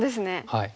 はい。